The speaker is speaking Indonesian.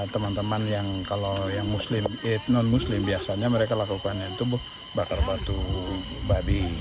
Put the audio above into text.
teman teman yang kalau yang muslim non muslim biasanya mereka lakukannya itu bakar batu babi